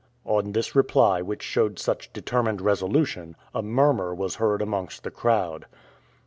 On this reply, which showed such determined resolution, a murmur was heard amongst the crowd.